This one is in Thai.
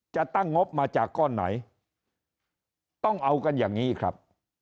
จะตั้งงบมาจากก้อนไหนต้องเอากันอย่างนี้ครับ